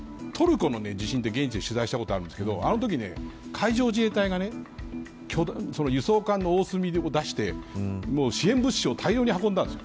トルコの地震を現地で取材したことがあるんですがそのとき海上自衛隊が輸送艦のおおすみを出して支援物資を大量に運んだんです。